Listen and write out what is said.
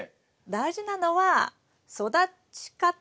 大事なのは育ち方。